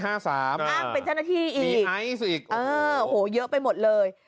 อ้างเป็นชนะที่อีกโอ้โหเยอะไปหมดเลย